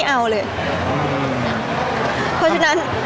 พี่ตอบได้แค่นี้จริงค่ะ